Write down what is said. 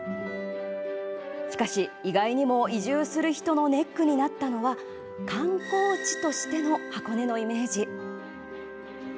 しかし、意外にも移住する人のネックになったのは観光地としての箱根のイメージ。